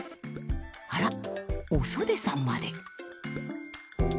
あらっおそでさんまで。